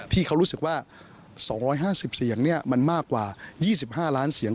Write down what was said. ที่เขารู้สึกว่า๒๕๐เสียงมันมากกว่า๒๕ล้านเสียง